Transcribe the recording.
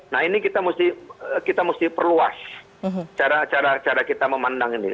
nah ini kita mesti perluas cara kita memandang ini